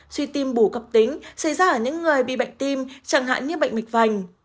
suy tim bù cập tính xảy ra ở những người bị bệnh tim chẳng hạn như bệnh mịch vành